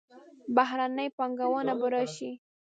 بهرنۍ پانګونه به راشي.